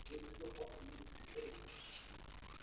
তিনি সিদ্ধহস্ত, এ বলড কার্জন গর্ববোধ করতেন।